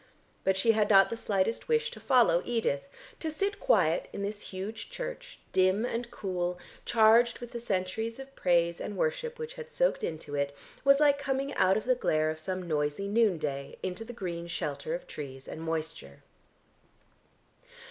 But she had not the slightest wish to follow Edith; to sit quiet in this huge church, dim and cool, charged with the centuries of praise and worship which had soaked into it was like coming out of the glare of some noisy noon day, into the green shelter of trees and moisture.